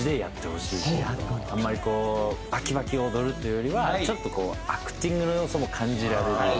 あんまりこうバキバキに踊るというよりはちょっとアクティングの要素も感じられる。